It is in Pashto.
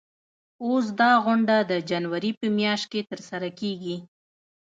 اوس دا غونډه د جنوري په میاشت کې ترسره کیږي.